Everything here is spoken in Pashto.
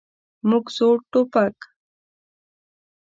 موږ زوړ ټوپک.